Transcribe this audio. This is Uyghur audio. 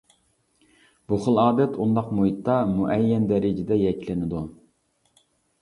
بۇ خىل ئادەت ئۇنداق مۇھىتتا مۇئەييەن دەرىجىدە يەكلىنىدۇ.